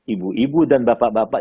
ibu ibu dan bapak bapak